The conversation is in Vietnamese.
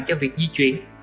cho việc di chuyển